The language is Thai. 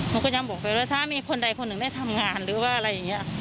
ก็ยังบอกไปว่าถ้ามีคนใดคนหนึ่งได้ทำงานหรือว่าอะไรอย่างนี้